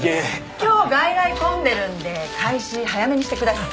今日外来混んでるので開始早めにしてください。